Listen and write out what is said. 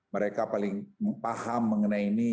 mereka paling paham mengenai ini